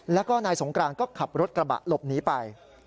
แล้วก็นายสงกรานก็ขับรถกระบะหลบหนีไป